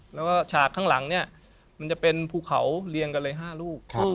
แล้วก็ฉากข้างหลังเนี่ยมันจะเป็นภูเขาเรียงกันเลย๕ลูก